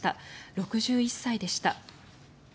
６１歳でした。